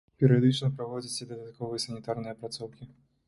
Перыядычна праводзяць і дадатковыя санітарныя апрацоўкі.